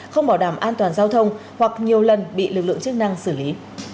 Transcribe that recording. không bảo đảm an toàn giao thông hoặc nhiều lần bị lực lượng chức năng xử lý